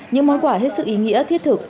những món quả hết sức ý nghĩa thiết thực